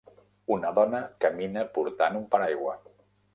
Una dona camina portant un paraigua.